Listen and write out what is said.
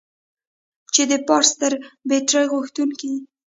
چې د پارس تر برتري غوښتونکو يې.